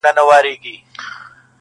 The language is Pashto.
• له بل وي ورکه د مرګي چاره -